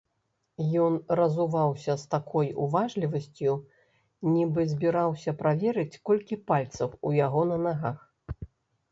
Ён разуваўся з такой уважлівасцю, нібы збіраўся праверыць, колькі пальцаў у яго на нагах.